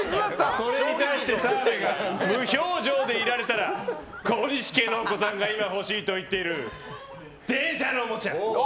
それに対して澤部が無表情でいられたら小西家のお子さんが今欲しいと言っている電車のおもちゃ。